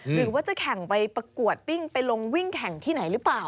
หรือว่าจะแข่งไปประกวดปิ้งไปลงวิ่งแข่งที่ไหนหรือเปล่า